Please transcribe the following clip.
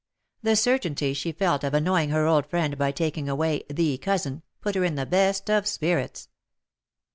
The certainty she felt of annoying her old friend by taking away ^^the cousin," put her in the best of spirits.